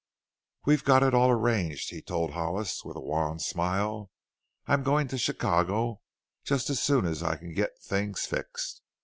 "We've got it all arranged," he told Hollis with a wan smile. "I'm going to Chicago just as soon as I can get things fixed."